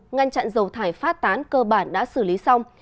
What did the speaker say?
ngăn chặn dầu thải phát tán cơ bản đã xử lý xong